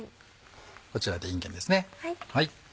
こちらでいんげんですね。